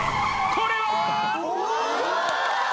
これは！